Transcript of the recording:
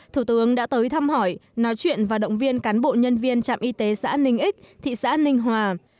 thủ tướng đã tới thăm hỏi nói chuyện và động viên cán bộ nhân viên trạm y tế xã ninh ích thị xã ninh hòa